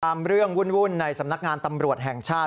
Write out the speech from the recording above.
ตามเรื่องวุ่นในสำนักงานตำรวจแห่งชาติ